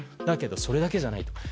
だけどそれだけじゃないと。